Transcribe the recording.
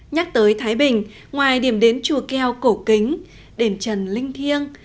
nhắc tới thái bình ngoài điểm đến chùa keo cổ kính đền trần linh thiêng